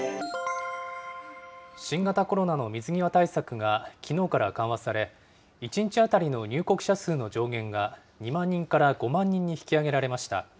新型コロナの水際対策がきのうから緩和され、１日当たりの入国者数の上限が、２万人から５万人に引き上げられました。